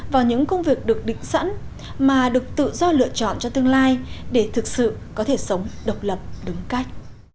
vào những công việc được định sẵn mà được tự do lựa chọn cho tương lai để thực sự có thể sống độc lập đúng cách